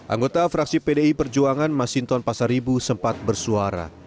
anggota fraksi pdi perjuangan masinton pasaribu sempat bersuara